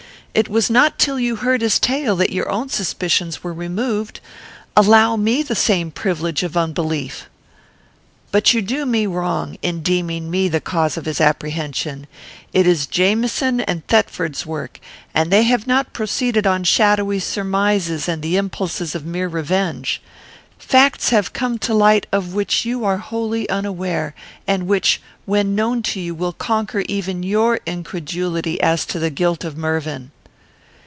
It was not till you heard his tale that your own suspicions were removed. Allow me the same privilege of unbelief. "But you do me wrong, in deeming me the cause of his apprehension. It is Jamieson and Thetford's work, and they have not proceeded on shadowy surmises and the impulses of mere revenge. Facts have come to light of which you are wholly unaware, and which, when known to you, will conquer even your incredulity as to the guilt of Mervyn."